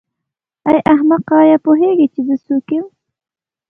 ای احمقه آیا پوهېږې چې زه څوک یم.